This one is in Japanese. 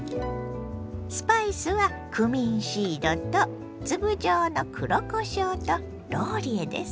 スパイスはクミンシードと粒状の黒こしょうとローリエです。